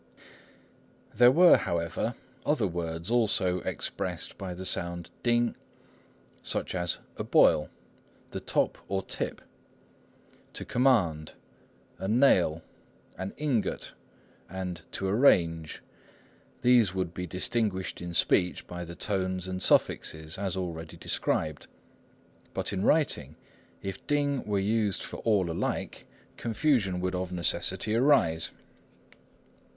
There were, however, other words also expressed by the sound ting, such as "a boil," "the top or tip," "to command," "a nail," "an ingot," and "to arrange." These would be distinguished in speech by the tones and suffixes, as already described; but in writing, if 丁 were used for all alike, confusion would of necessity arise.